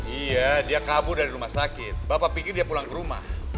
iya dia kabur dari rumah sakit bapak pikir dia pulang ke rumah